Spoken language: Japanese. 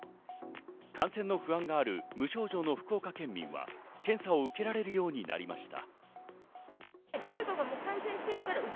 感染の不安がある無症状の福岡県民は検査を受けられるようになりました。